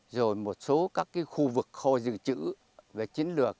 rồi một số các khu vực kho dự trữ về chiến lược